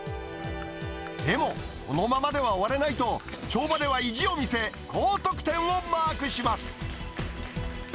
でも、このままでは終われないと、跳馬では意地を見せ、高得点をマークします。